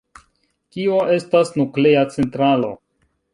Kio estas nuklea centralo?